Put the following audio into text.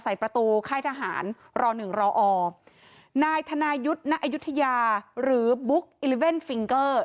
ใส่ประตูค่ายทหารรอ๑รออนายธนายุทธนายุทธยาหรือบุ๊ก๑๑ฟิงเกอร์